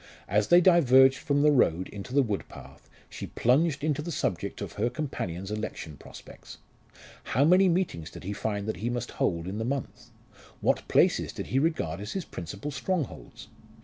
As they diverged from the road into the wood path, she plunged into the subject of her companion's election prospects. How many meetings did he find that he must hold in the month? What places did he regard as his principal strongholds?